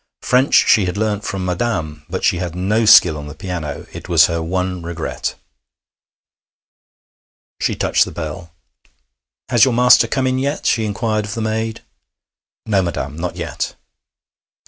French she had learned from 'Madame,' but she had no skill on the piano; it was her one regret. She touched the bell. 'Has your master come in yet?' she inquired of the maid. 'No, madam, not yet.'